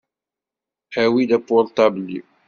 Awi-d apurṭabl-iw.